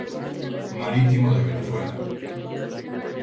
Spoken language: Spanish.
Marítimo de Venezuela.